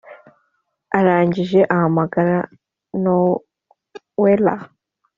arangije ahamagara nowela